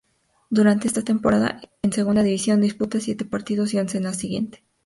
Durante esa temporada, en Segunda División, disputa siete partidos, y once en la siguiente.